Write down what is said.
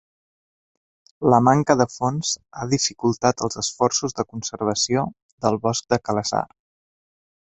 La manca de fons ha dificultat els esforços de conservació del bosc de Kalesar.